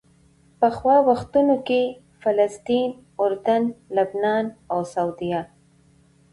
پخوا وختونو کې فلسطین، اردن، لبنان او سوریه.